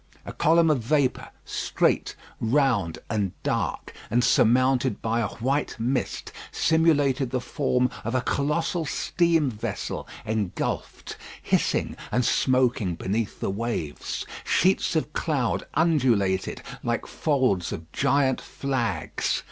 A column of vapour, straight, round, and dark, and surmounted by a white mist, simulated the form of a colossal steam vessel engulfed, hissing, and smoking beneath the waves. Sheets of cloud undulated like folds of giant flags.